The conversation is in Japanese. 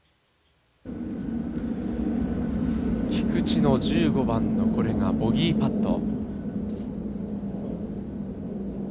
菊地の１５番のボギーパット。